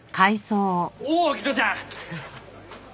おお貴戸ちゃん。